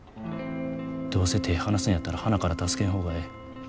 どうせ手ぇ離すんやったらはなから助けん方がええ。